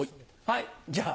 はいじゃあ。